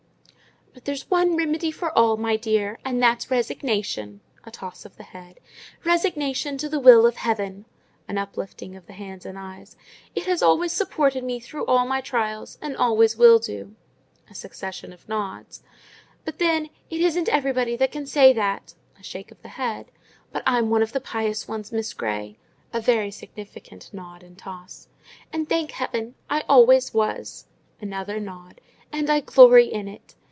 "But there's one remedy for all, my dear, and that's resignation" (a toss of the head), "resignation to the will of heaven!" (an uplifting of the hands and eyes). "It has always supported me through all my trials, and always will do" (a succession of nods). "But then, it isn't everybody that can say that" (a shake of the head); "but I'm one of the pious ones, Miss Grey!" (a very significant nod and toss). "And, thank heaven, I always was" (another nod), "and I glory in it!"